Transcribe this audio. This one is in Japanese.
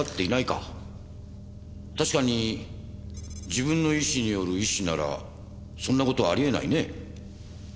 確かに自分の意思による縊死ならそんな事はありえないね。